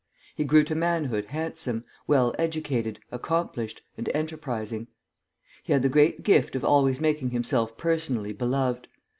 He grew to manhood handsome, well educated, accomplished, and enterprising. He had the great gift of always making himself personally beloved.